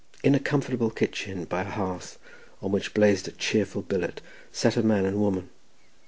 In a comfortable kitchen, by a hearth on which blazed a cheerful billet, sat a man and woman.